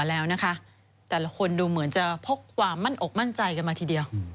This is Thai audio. แล้วนะคะแต่ละคนดูเหมือนจะพกความมั่นอกมั่นใจกันมาทีเดียว